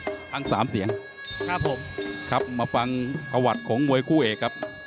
ทั้งสามเสียงครับผมครับมาฟังประวัติของมวยคู่เอกครับ